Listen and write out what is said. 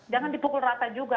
jangan dipukul rata juga